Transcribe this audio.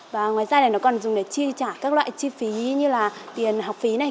và ngoài ra này nó còn dùng để chi trả các loại chi phí như là tiền học phí này